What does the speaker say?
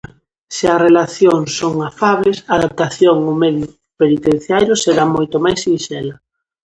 Se as relacións son afables, a adaptación ao medio penitenciario será moito máis sinxela.